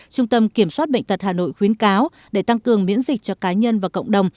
trung tâm kiểm soát bệnh tật hà nội khuyến cáo để tăng cường miễn dịch cho cá nhân và cộng đồng